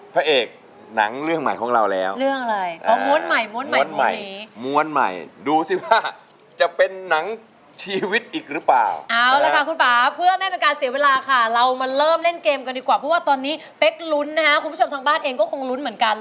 เป๊กลุ้นนะคะคุณผู้ชมทางบ้านเองก็คงลุ้นเหมือนกัน